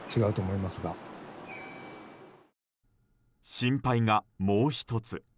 心配がもう１つ。